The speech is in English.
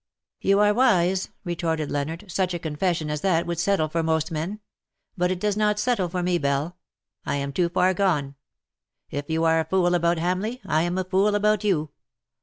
'^ You are wise/' retorted Leonard, '' such a con fession as that would settle for most men. But it does not settle for me. Belle. I am too far gone. If you are a fool about Hamleigh, I am a fool about you.